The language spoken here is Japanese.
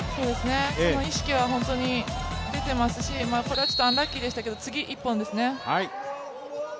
その意識は本当に出ていますし、これはちょっとアンラッキーでしたけれども、次、１本ですね。